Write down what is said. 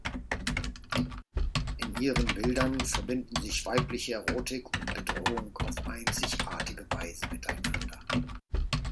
In ihren Bildern verbinden sich weibliche Erotik und Bedrohung auf einzigartige Weise miteinander.